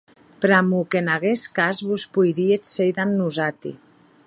Pr'amor qu'en aguest cas vos poiríetz sèir damb nosati.